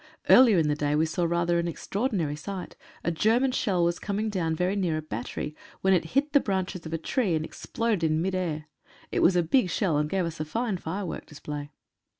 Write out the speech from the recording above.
Earlier in the day we saw rather an extraordinary sight — a German shell was coming down very near a battery, when it hit the branches of a tree, and exploded in mid air. It was a big shell, and gave us a fine firework display.